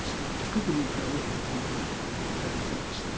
特に大きなトラブルもございませんでした。